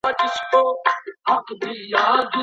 د سوغاتونو پر ځای ولور ادا کړئ.